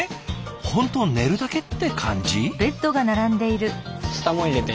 本当寝るだけって感じ？